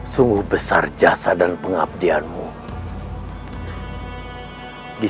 bagi gedung saya sendiri